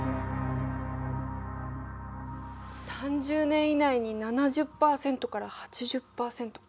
３０年以内に７０％から８０％か。